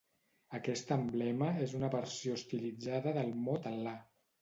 Aquest emblema és una versió estilitzada del mot Al·là.